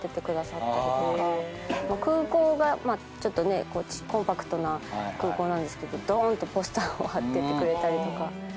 空港がちょっとねコンパクトな空港なんですけどどーん！とポスターを張っててくれたりとか。